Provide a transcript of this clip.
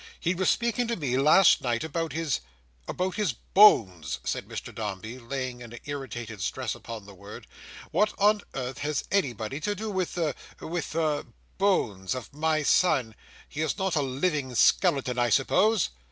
He was speaking to me last night about his—about his Bones," said Mr Dombey, laying an irritated stress upon the word. "What on earth has anybody to do with the—with the—Bones of my son? He is not a living skeleton, I suppose."